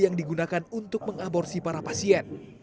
yang digunakan untuk mengaborsi para pasien